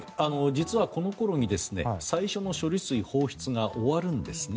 実はこの頃に最初の処理水放出が終わるんですね。